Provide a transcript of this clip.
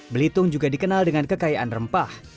belitung juga dikenal dengan kekayaan rempah